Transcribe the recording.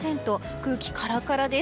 空気、カラカラです。